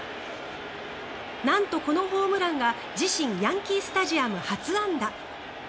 なんとこのホームランが自身ヤンキー・スタジアム初安打。